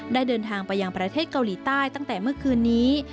เดินทางไปยังประเทศเกาหลีใต้ตั้งแต่เมื่อคืนนี้